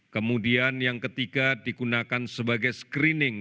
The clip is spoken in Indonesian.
kemudian yang ketiga digunakan sebagai screening